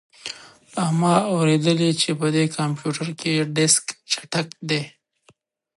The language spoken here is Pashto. ما اوریدلي چې په دې کمپیوټر کې ډیسک چټک دی